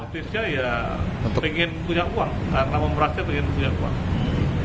polisnya ya ingin punya uang karena memperasnya ingin punya uang